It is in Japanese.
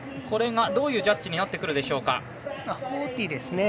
これがどういうジャッジになってくるでしょうか。